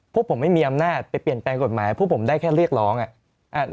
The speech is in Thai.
พวกผมไม่มีอำนาจไปเปลี่ยนแปลงกฎหมายพวกผมได้แค่เรียกร้องอ่ะ